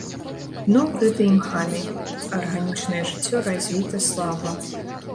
Дно ўкрыта імхамі, арганічнае жыццё развіта слаба.